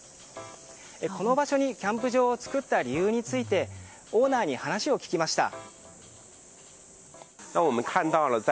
この場所にキャンプ場を作った理由についてオーナーに話を聞きました。